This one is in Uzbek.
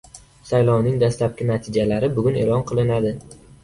Saylovning dastlabki natijalari bugun e’lon qilinadi